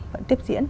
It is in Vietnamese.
vẫn tiếp diễn